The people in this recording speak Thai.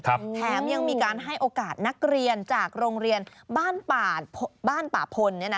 แถมยังมีการให้โอกาสนักเรียนจากโรงเรียนบ้านป่าบ้านป่าพล